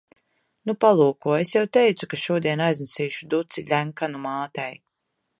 Nu, palūko. Es jau teicu, ka šodien aiznesīšu duci Ļenkanu mātei.